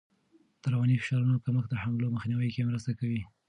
د رواني فشارونو کمښت د حملو مخنیوی کې مرسته کوي.